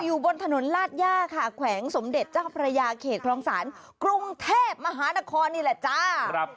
อยู่บนถนนลาดย่าค่ะแขวงสมเด็จเจ้าพระยาเขตคลองศาลกรุงเทพมหานครนี่แหละจ้า